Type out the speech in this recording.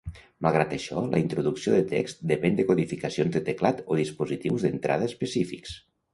Malgrat això, la introducció de text depèn de codificacions de teclat o dispositius d'entrada específics.